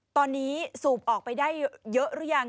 ตอนนี้สูบออกไปได้เยอะหรือยัง